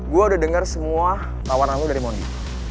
gue udah dengar semua tawaran lo dari mondi